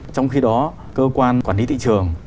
trong khi đó cơ quan quản lý thị trường